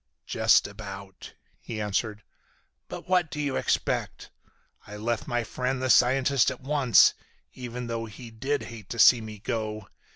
"Just about," he answered. "But what do you expect? I left my friend the scientist at once, even though he did hate to see me go.